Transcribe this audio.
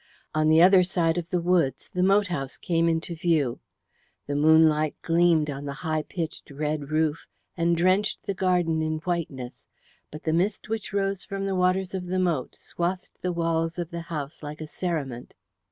On the other side of the woods the moat house came into view. The moonlight gleamed on the high pitched red roof, and drenched the garden in whiteness, but the mist which rose from the waters of the moat swathed the walls of the house like a cerement.